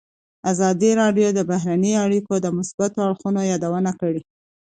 ازادي راډیو د بهرنۍ اړیکې د مثبتو اړخونو یادونه کړې.